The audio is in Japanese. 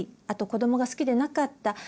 あと子どもが好きでなかった。